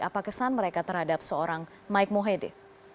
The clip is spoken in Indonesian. apa kesan mereka terhadap seorang mike mohede